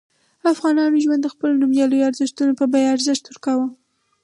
افغانانو ژوند ته د خپلو نوميالیو ارزښتونو په بیه ارزښت ورکاوه.